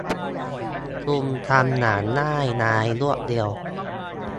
คุณทำอย่างง่ายดายรวดเร็ว